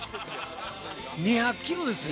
２００キロですよ。